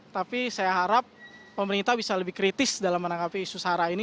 tapi saya harap pemerintah bisa lebih kritis dalam menanggapi isu sara ini